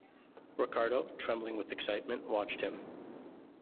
Ricardo, trembling with excitement, watched him.